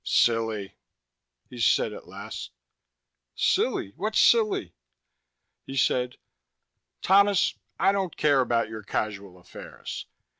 "Silly," he said at last. "Silly? What's silly!" He said, "Thomas, I don't care about your casual affairs.